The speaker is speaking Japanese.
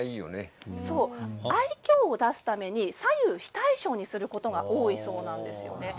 愛きょうを出すために左右非対称にすることが多いそうなんです。